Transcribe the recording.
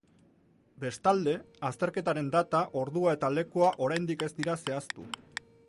Bestalde, azterketaren data, ordua eta lekua oraindik ez dira zehaztu.